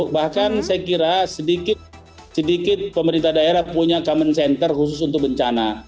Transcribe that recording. bahkan saya kira sedikit pemerintah daerah punya common center khusus untuk bencana